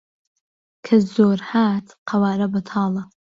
که زۆر هات قهواره بهتاڵه